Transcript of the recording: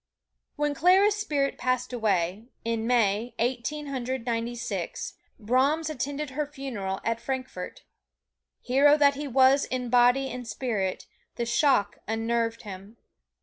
When Clara's spirit passed away, in May, Eighteen Hundred Ninety six, Brahms attended her funeral at Frankfort. Hero that he was in body and spirit, the shock unnerved him.